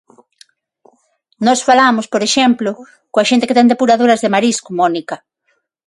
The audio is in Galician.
Nós falamos, por exemplo, coa xente que ten depuradoras de marisco, Mónica.